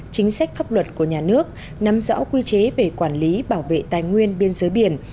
chính sách pháp luật của nhà nước nắm rõ quy chế về quản lý bảo vệ tài nguyên biên giới biển